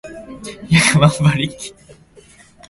百万馬力